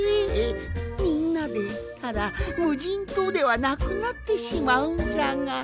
みんなでいったらむじんとうではなくなってしまうんじゃが。